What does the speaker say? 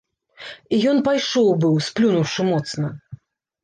І ён пайшоў быў, сплюнуўшы моцна.